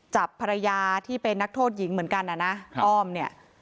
จับภรรยาที่เป็นนักโทษหญิงเหมือนกันนะอ้อมเนี่ย